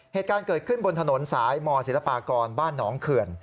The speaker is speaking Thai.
เหตุการณ์เกิดขึ้นบนถนนสายมศิลปากรบ้านหนองเขื่อน